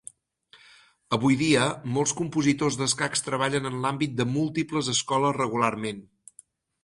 Avui dia, molts compositors d'escacs treballen en l'àmbit de múltiples escoles regularment.